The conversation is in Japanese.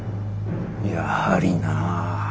やはりな。